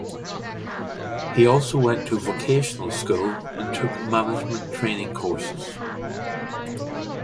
He also went to vocational school and took management training courses.